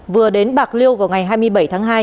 vừa đến bạc liêu vào ngày hai mươi bảy tháng hai